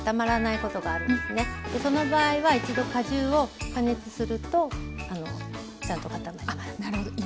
その場合は一度果汁を加熱するとちゃんと固まります。